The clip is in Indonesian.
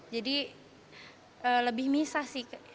jadi lebih misah sih